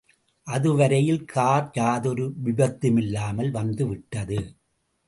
அதுவரையில் கார் யாதொரு விபத்துமில்லாமல் வந்துவிட்டது.